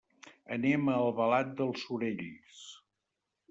Anem a Albalat dels Sorells.